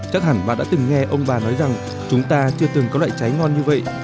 chắc hẳn bà đã từng nghe ông bà nói rằng chúng ta chưa từng có loại trái ngon như vậy